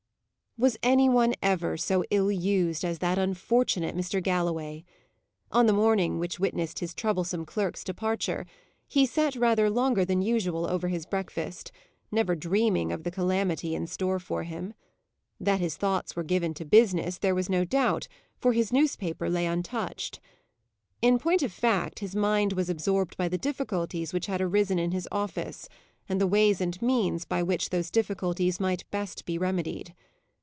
Was any one ever so ill used as that unfortunate Mr. Galloway? On the morning which witnessed his troublesome clerk's departure, he set rather longer than usual over his breakfast, never dreaming of the calamity in store for him. That his thoughts were given to business, there was no doubt, for his newspaper lay untouched. In point of fact, his mind was absorbed by the difficulties which had arisen in his office, and the ways and means by which those difficulties might be best remedied.